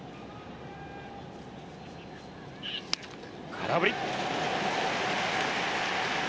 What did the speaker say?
空振り。